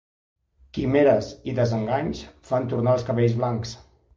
Quimeres i desenganys fan tornar els cabells blancs.